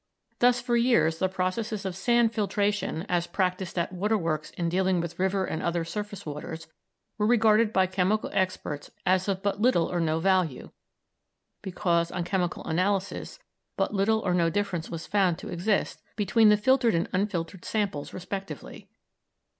Thus for years the processes of sand filtration, as practised at waterworks in dealing with river and other surface waters, were regarded by chemical experts as of but little or no value, because, on chemical analysis, but little or no difference was found to exist between the filtered and unfiltered samples respectively.